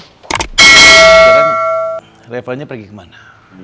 sekarang revanya pergi kemana